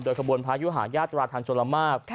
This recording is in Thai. โดยขบวนพระยุหายาตราธารมชุลธิ์มาก